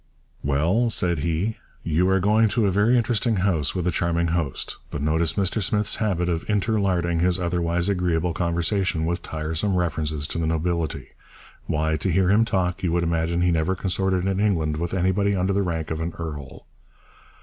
'Well,' said he, 'you are going to a very interesting house with a charming host, but notice Mr Smith's habit of interlarding his otherwise agreeable conversation with tiresome references to the nobility. Why, to hear him talk, you would imagine he never consorted in England with anybody under the rank of an earl.'